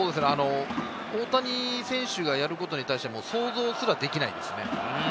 大谷選手がやることに対して、想像すらできないですね。